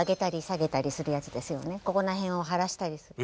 ここら辺をはらしたりする。